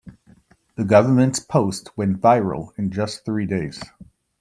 The government's post went viral in just three days.